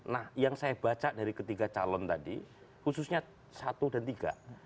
nah yang saya baca dari ketiga calon tadi khususnya satu dan tiga